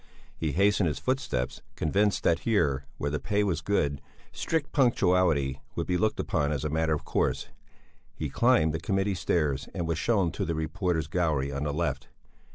He hastened his footsteps, convinced that here, where the pay was good, strict punctuality would be looked upon as a matter of course. He climbed the Committee stairs and was shown to the reporters' gallery on the left.